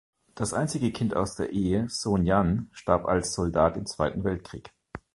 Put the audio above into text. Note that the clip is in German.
Das einzige Kind aus der Ehe, Sohn Jan, starb als Soldat im Zweiten Weltkrieg.